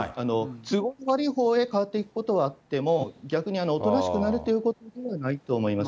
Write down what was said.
都合の悪いほうへ変わっていくことはあっても、逆におとなしくなるということはないと思います。